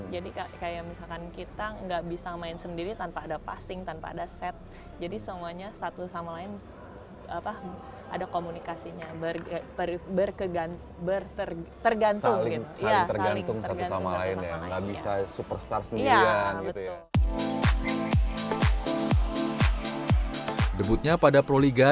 jadi kayak misalkan kita nggak bisa main sendiri tanpa ada passing